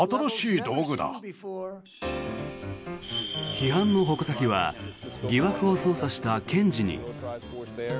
批判の矛先は疑惑を捜査した検事に。